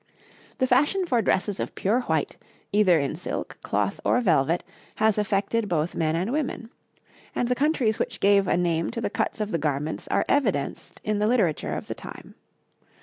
The fashion for dresses of pure white, either in silk, cloth, or velvet has affected both men and women; and the countries which gave a name to the cuts of the garments are evidenced in the literature of the time.